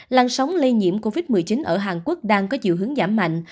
làn sóng lây nhiễm covid một mươi chín ở hàn quốc đang có dự hướng giảm dần